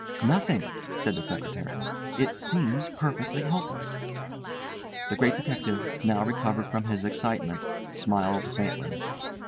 "Nothing," said the secretary; "it seems perfectly hopeless." The Great Detective, now recovered from his excitement, smiled faintly.